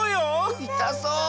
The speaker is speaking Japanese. いたそう！